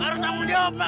harus tanggung jawab pak